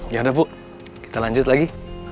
ya udah bu kita lanjut lagi